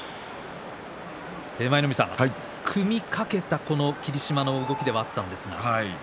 舞の海さん、組みかけた霧島の動きではあったんですが。